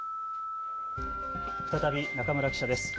再び中村記者です。